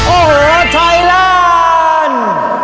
โอ้โหไทยแลนด์